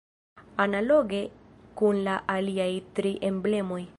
Analoge kun la aliaj tri emblemoj.